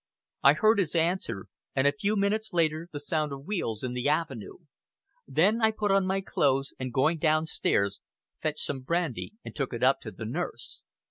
I heard his answer, and a few minutes later the sound of wheels in the avenue. Then I put on my clothes, and going downstairs, fetched some brandy and took it up to the nurse.